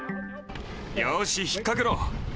よし、引っ掛けろ。